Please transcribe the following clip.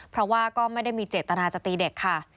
เพราะว่าก็ไม่ได้มีเจตนาจะตีเด็กค่ะ